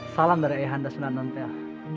salam dari ayah anda senan ampel